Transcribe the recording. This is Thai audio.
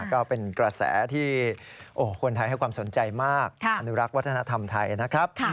ก็เป็นกระแสที่คนไทยให้ความสนใจมากอนุรักษ์วัฒนธรรมไทยนะครับ